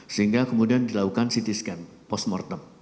sehingga kemudian dilakukan ct scan post mortem